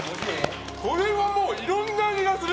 これはいろんな味がする。